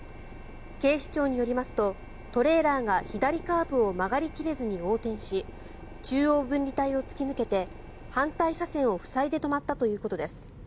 警視庁によりますとトレーラーが左カーブを曲がり切れずに横転し中央分離帯を突き抜けて反対車線を塞いで止まったということです。